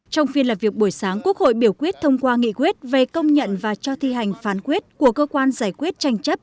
trong phiên làm việc buổi sáng quốc hội biểu quyết thông qua nghị quyết về công nhận và cho thi hành phán quyết của cơ quan giải quyết tranh chấp